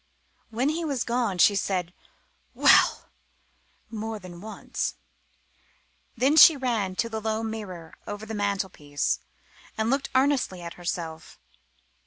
When he was gone she said "Well!" more than once. Then she ran to the low mirror over the mantelpiece, and looked earnestly at herself.